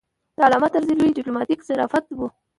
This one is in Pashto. د علامه طرزي لوی ډیپلوماتیک ظرافت و.